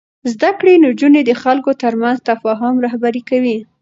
زده کړې نجونې د خلکو ترمنځ تفاهم رهبري کوي.